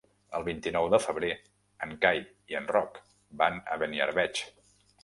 El vint-i-nou de febrer en Cai i en Roc van a Beniarbeig.